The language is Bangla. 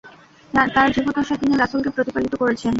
তাঁর জীবদ্দশায় তিনি রাসূলকে প্রতিপালিত করেছেন।